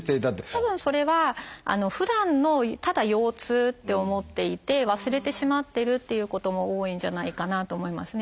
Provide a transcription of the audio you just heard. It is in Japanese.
たぶんそれはふだんのただ腰痛って思っていて忘れてしまってるっていうことも多いんじゃないかなと思いますね。